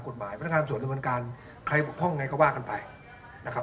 กฎหมายพันธการสวนดำเนินการใครบอกพ่อไงก็ว่ากันไปนะครับ